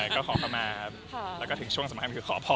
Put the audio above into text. ก็ขอขมาครับและถึงช่วงสำคัญมีคือขอพรภ์ครับ